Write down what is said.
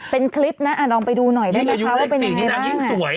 เป็นคลิปนะอ่ะลองไปดูหน่อยได้ไหมคะว่าเป็นยังไงบ้าง